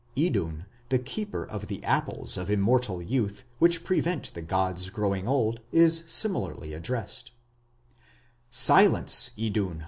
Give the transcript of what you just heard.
Idun, the keeper of the apples of immortal youth, which prevent the gods growing old, is similarly addressed: Silence, Idun!